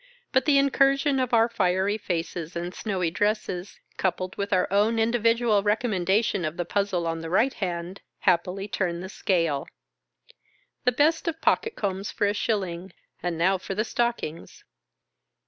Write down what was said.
But, the incursion of our fiery faces and snowy dresses, coupled with our own individual recom mendation of the puzzle on the right hand, happily turn the scale. The best of pocket combs for a shilling, and now for the stockings.